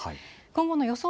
今後の予想